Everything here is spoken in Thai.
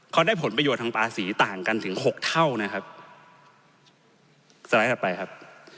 เขาได้ผลประโยชน์ทางภาษีต่างกันถึง๖เท่านะครับ